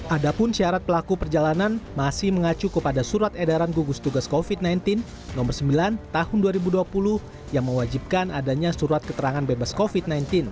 ada pun syarat pelaku perjalanan masih mengacu kepada surat edaran gugus tugas covid sembilan belas nomor sembilan tahun dua ribu dua puluh yang mewajibkan adanya surat keterangan bebas covid sembilan belas